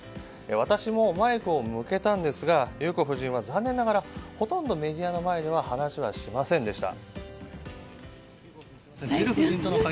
私もマイクを向けたんですが裕子夫人は残念ながらほとんどメディアの前では話はしませんでした。